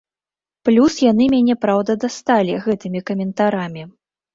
Плюс яны мяне праўда дасталі гэтымі каментарамі.